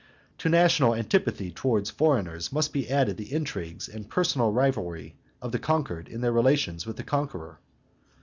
To national antipathy towards foreigners must be added the intrigues and personal rivalry of the conquered in their relations with the conqueror.